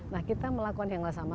nah kita melakukan yang sama